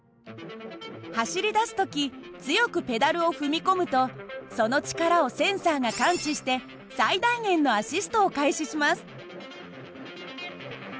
走り出す時強くペダルを踏み込むとその力をセンサーが感知して最大限のアシストを開始します。